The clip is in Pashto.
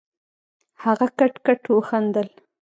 هغه کټ کټ وخندل.